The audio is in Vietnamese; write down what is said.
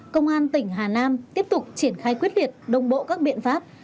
công an tỉnh hà nam tiếp tục triển khai quyết liệt đồng bộ các biện pháp